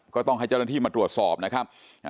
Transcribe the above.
ก็ต้องให้เจ้าหน้าที่มาตรวจสอบนะครับ